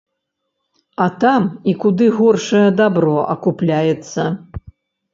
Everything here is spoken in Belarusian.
А там і куды горшае дабро акупляецца.